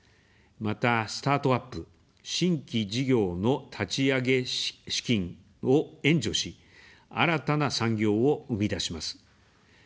また、スタートアップ、新規事業の立ち上げ資金を援助し、新たな産業を生み出します。